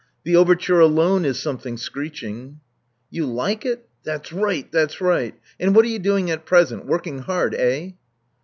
The overture alone is something screeching." "You like it? That's right, that's right. And what are you doing at present? Working hard, eh?"